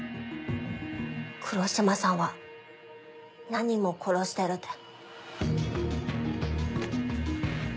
黒島さんは何人も殺してるって。